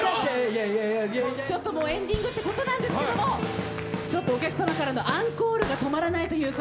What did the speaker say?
ちょっともうエンディングってことなんですけどもお客さまからのアンコールが止まらないということで。